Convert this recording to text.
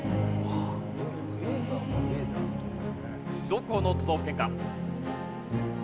どこの都道府県か？